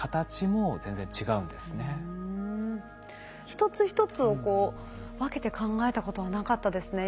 一つ一つを分けて考えたことはなかったですね